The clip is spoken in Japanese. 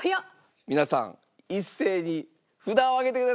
皆さん一斉に札を上げてください。